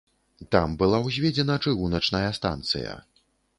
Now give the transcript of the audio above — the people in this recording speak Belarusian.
Там была ўзведзена чыгуначная станцыя.